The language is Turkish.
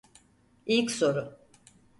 İlk soru.